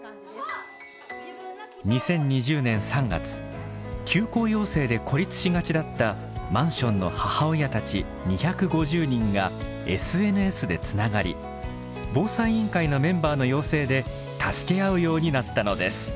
２０２０年３月休校要請で孤立しがちだったマンションの母親たち２５０人がＳＮＳでつながり防災委員会のメンバーの要請で助け合うようになったのです。